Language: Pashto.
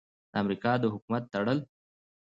د امریکا د حکومت تړل: